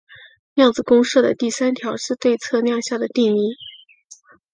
量子公设的第三条是对测量下的定义。